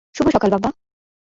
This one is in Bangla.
শুভ সকাল, বাবা।